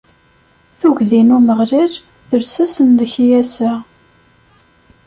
Tuggdi n Umeɣlal, d lsas n lekyasa.